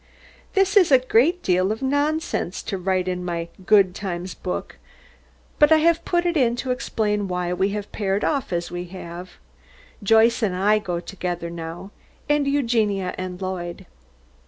This is a great deal of nonsense to write in my "Good times" book, but I have put it in to explain why we have paired off as we have. Joyce and I go together now, and Eugenia and Lloyd.